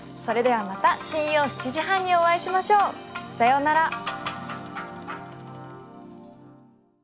それではまた金曜７時半にお会いしましょう。さようなら。